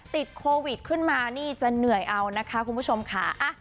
ติดโควิดขึ้นมานี่จะเหนื่อยเอานะคะคุณผู้ชมค่ะ